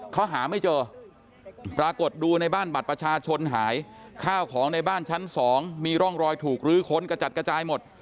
เขาหาไม่เจอปรากฏดูในบ้านบัตรประชาชนหายข้าวของในบ้านชั้นสองมีร่องรอยถูกรื้อค้นกระจัดกระจายหมด